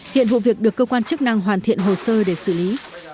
hiện vụ việc được cơ quan chức năng hoàn thiện hồ sơ để xử lý